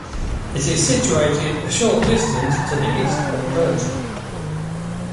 It is situated a short distance to the east of Murton.